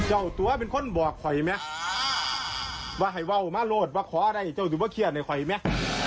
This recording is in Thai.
เจ้าตัวเป็นคนบอกคอยไหมว่าให้ว่าวมาโลดว่าขออะไรเจ้าดูว่าเครียดในข่อยไหม